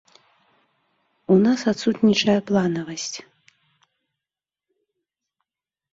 У нас адсутнічае планавасць.